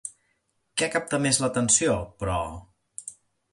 Què capta més l'atenció, però?